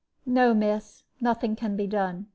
"No, miss, nothing can be done.